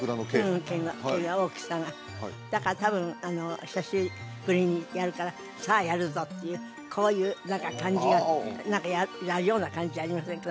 うん毛が大きさがだから多分久しぶりにやるからさあやるぞっていうこういう何か感じが何かやるような感じありませんか？